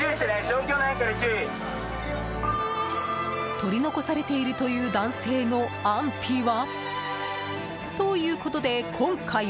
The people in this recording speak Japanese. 取り残されているという男性の安否は。